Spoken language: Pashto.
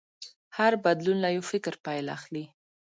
هر بدلون له یو فکر پیل اخلي.